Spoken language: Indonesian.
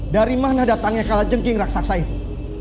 dari mana datangnya kalajengking raksasa itu